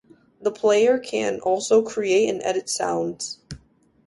The player can also create and edit sounds.